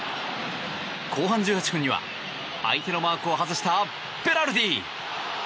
後半１８分には相手のマークを外したベラルディ。